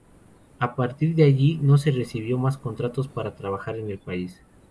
A partir de allí no recibió más contratos para trabajar en el país.